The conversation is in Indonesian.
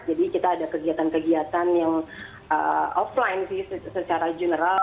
jadi kita ada kegiatan kegiatan yang offline sih secara general